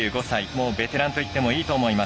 もうベテランといってもいいと思います。